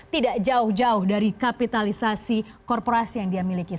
tidak jauh jauh dari kapitalisasi korporasi yang dia miliki